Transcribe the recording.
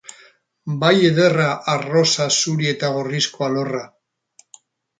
Bai ederra arrosa zuri eta gorrizko alorra!